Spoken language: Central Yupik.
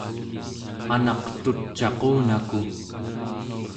anaq tuc'aqunaku!